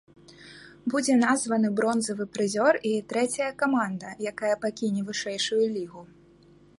Будзе названы бронзавы прызёр і трэцяя каманда, якая пакіне вышэйшую лігу.